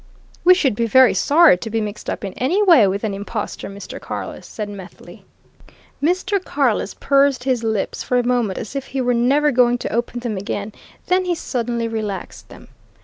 "We should be very sorry to be mixed up in any way with an impostor, Mr. Carless!" said Methley. Mr. Carless pursed his lips for a moment as if he were never going to open them again; then he suddenly relaxed them.